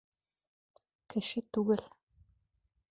— Кеше түгел.